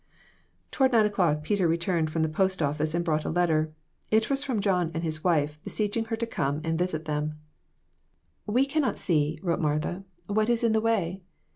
Toward nine o'clock Peter returned from the post office and brought a letter. It was from John and his wife beseeching her to come and visit them. WITHOUT ARE DOGS. 26l "We cannot see," wrote Martha, "what is in the way.